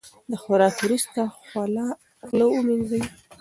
د خوراک وروسته خوله ومینځئ.